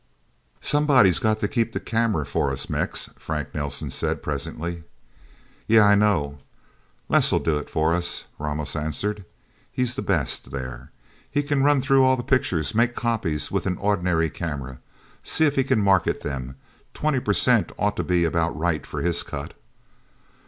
"Somebody's got to keep the camera for us, Mex," Frank Nelsen said presently. "Yeah I know. Les'll do it for us," Ramos answered. "He's the best, there. He can run through all the pictures make copies with an ordinary camera... See if he can market them. Twenty percent ought to be about right for his cut."